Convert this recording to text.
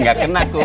gak kena kum